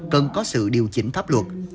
cần có sự điều chỉnh pháp luật